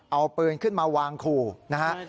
เอาปืนขึ้นมาวางขู่นะฮะ